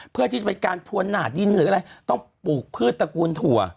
เพื่อที่จะเป็นการพวนหนาดินหรืออะไรต้องปลูกพืชตระกูลถั่ว